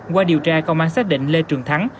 qua điều tra công an xác định lê trường thắng